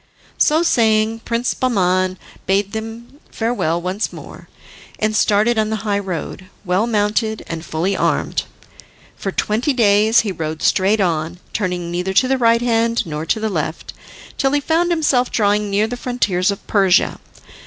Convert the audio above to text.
So saying, Prince Bahman bade them farewell once more, and started on the high road, well mounted and fully armed. For twenty days he rode straight on, turning neither to the right hand nor to the left, till he found himself drawing near the frontiers of Persia.